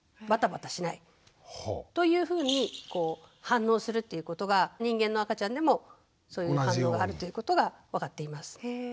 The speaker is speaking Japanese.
バタバタしない。というふうに反応をするということが人間の赤ちゃんでもそういう反応があるということが分かっています。